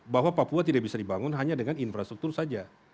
bahwa papua tidak bisa dibangun hanya dengan infrastruktur saja